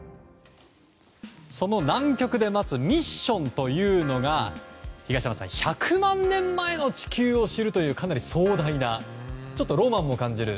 その南極で待つミッションというのが１００万年前の地球を知るというかなり壮大なちょっとロマンも感じる。